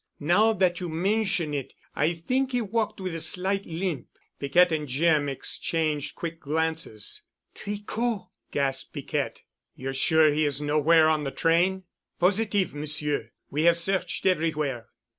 Now that you mention it, I think he walked with a slight limp." Piquette and Jim exchanged quick glances. "Tricot!" gasped Piquette. "You're sure he is nowhere on the train?" "Positive, M'sieu. We have searched everywhere."